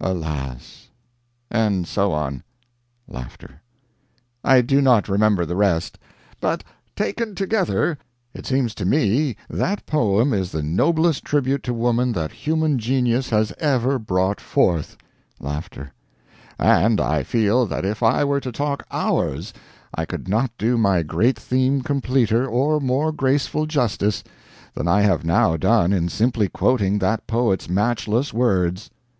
alas!" and so on. I do not remember the rest; but, taken together, it seems to me that poem is the noblest tribute to woman that human genius has ever brought forth and I feel that if I were to talk hours I could not do my great theme completer or more graceful justice than I have now done in simply quoting that poet's matchless words.